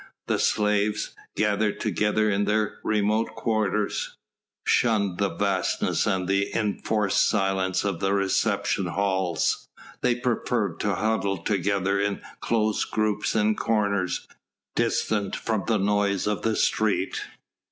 The slaves gathered together in their remote quarters shunned the vastness and the enforced silence of the reception halls; they preferred to huddle together in close groups in corners, distant from the noise of the street.